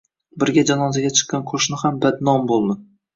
Birga janozaga chiqqan qoʻshni ham badnom boʻldi.